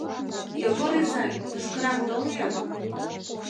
Йогор изай, тышкырак тол-ян.